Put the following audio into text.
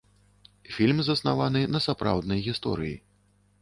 Фільм заснаваны на сапраўднай гісторыі.